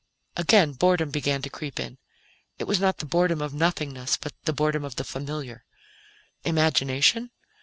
Again, boredom began to creep in. It was not the boredom of nothingness, but the boredom of the familiar. Imagination?